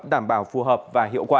đảm bảo phù hợp và hiệu quả